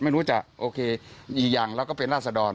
ไม่รู้จะโอเคอีกอย่างแล้วก็เป็นราศดร